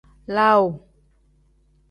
Laaw.